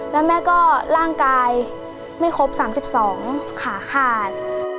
แล้วแม่ก็ร่างกายไม่ครบ๓๒ขาขาด